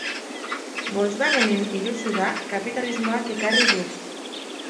Volkswagenen iruzurra kapitalismoak ekarri du.